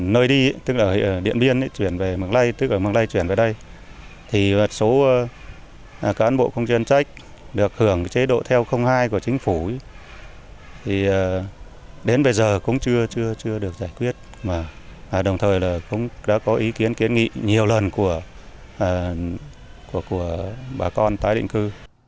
nơi đi tức là ở điện biên chuyển về mạng lây tức là mạng lây chuyển về đây thì số cán bộ không chuyên trách được hưởng chế độ theo hai của chính phủ thì đến bây giờ cũng chưa được giải quyết đồng thời cũng đã có ý kiến kiến nghị nhiều lần của bà con tái định cư